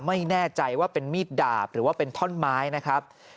ไม่แน่ใจว่าเป็นมีดดาบหรือว่าเป็นท่อนไม้นะครับ